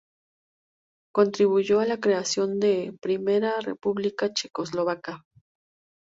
Contribuyó a la creación de la primera República Checoslovaca.